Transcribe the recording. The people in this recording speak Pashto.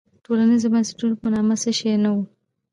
د ټولنیزو بنسټونو په نامه څه شی نه وو.